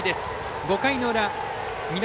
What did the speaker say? ５回の裏南